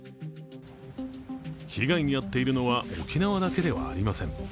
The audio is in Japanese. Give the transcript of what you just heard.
被害に遭っているのは沖縄だけではありません。